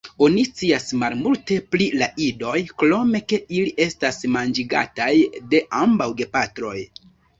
Oni scias malmulte pri la idoj, krom ke ili estas manĝigataj de ambaŭ gepatroj.